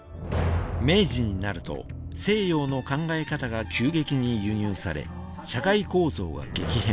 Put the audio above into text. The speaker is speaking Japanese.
明治になると西洋の考え方が急激に輸入され社会構造は激変。